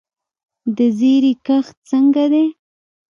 د زیرې کښت څنګه دی؟